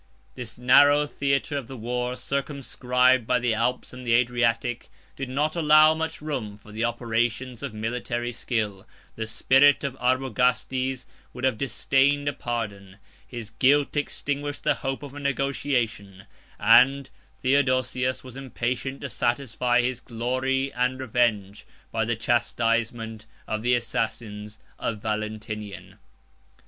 118 This narrow theatre of the war, circumscribed by the Alps and the Adriatic, did not allow much room for the operations of military skill; the spirit of Arbogastes would have disdained a pardon; his guilt extinguished the hope of a negotiation; and Theodosius was impatient to satisfy his glory and revenge, by the chastisement of the assassins of Valentinian.